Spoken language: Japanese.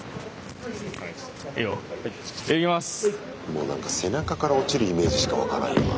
もうなんか背中から落ちるイメージしか湧かないよな。